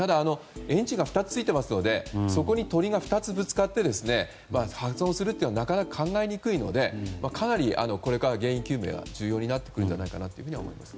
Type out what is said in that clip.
エンジンが２つついていますのでそこに鳥が２つぶつかって破損するというのはなかなか考えにくいのでこれから原因究明が重要になってくるんじゃないかと思います。